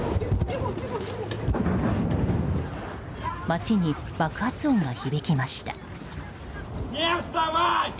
街に爆発音が響きました。